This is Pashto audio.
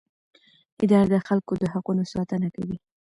اداره د خلکو د حقونو ساتنه کوي.